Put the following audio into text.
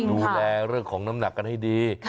ดูแลเรื่องของน้ำหนักกันให้ดี